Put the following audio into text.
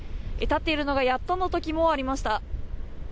立っているのがやっとのときもありました。